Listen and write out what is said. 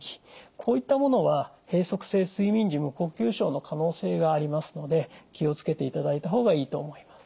こういったものは閉塞性睡眠時無呼吸症の可能性がありますので気を付けていただいた方がいいと思います。